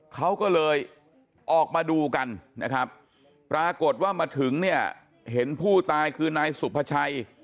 เขาก็เลยออกมาดูกันนะครับปรากฏว่ามาถึงเนี่ยเห็นผู้ตายคือนายสุภาชัย